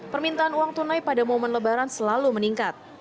permintaan uang tunai pada momen lebaran selalu meningkat